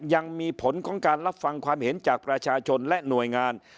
ยังมีผลของการรับฟังความเห็นจากประชาชนและหน่วยงาน